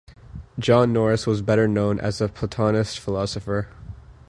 John Norris was better known as a Platonist philosopher.